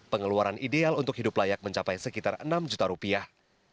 pengeluaran ideal untuk hidup layak mencapai sekitar enam juta rupiah